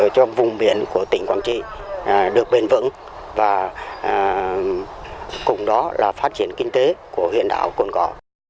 cho vùng biển của tỉnh quảng trị được bền vững và cùng đó là phát triển kinh tế của huyện đảo cồn cỏ